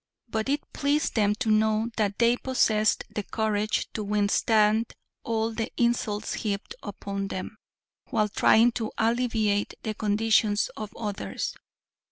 But it pleased them to know that they possessed the courage to withstand all the insults heaped upon them, while trying to alleviate the conditions of others.